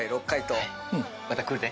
また来るで。